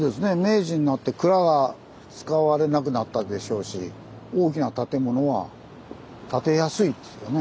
明治になって蔵が使われなくなったでしょうし大きな建物は建てやすいですよね。